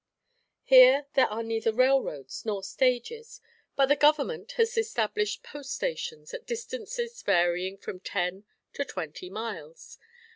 Here there are neither railroads nor stages, but the government has established post stations at distances varying from ten to twenty miles.